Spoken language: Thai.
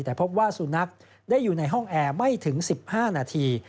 แต่พบว่าสุนัขได้อยู่ในห้องแอร์ไม่ถึง๑๕นาที